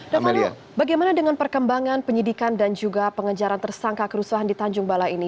davali bagaimana dengan perkembangan penyidikan dan juga pengejaran tersangka kerusuhan di tanjung balai ini